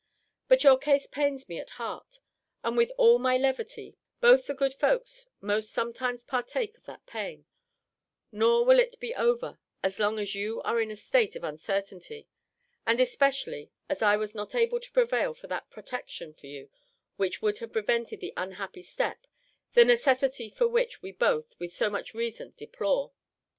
But your case pains me at heart; and with all my levity, both the good folks most sometimes partake of that pain; nor will it be over, as long as you are in a state of uncertainty; and especially as I was not able to prevail for that protection for you which would have prevented the unhappy step, the necessity for which we both, with so much reason, deplore.